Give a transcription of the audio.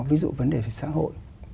ví dụ vấn đề xã hội